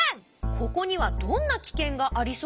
ここにはどんなキケンがありそうかな？